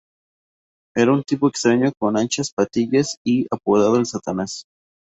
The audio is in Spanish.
Era un tipo extraño con anchas patillas y apodado el Satanás.